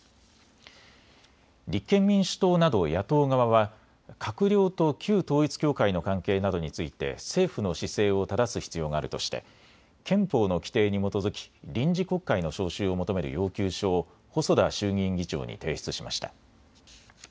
立憲民主党など野党側は閣僚と旧統一教会の関係などについて政府の姿勢をただす必要があるとして憲法の規定に基づき臨時国会の召集を求める要求書を細田衆議院議長に提出しました。